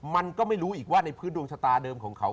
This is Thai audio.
มันก็ไม่รู้อีกว่าในพื้นดวงชะตาเดิมของเขา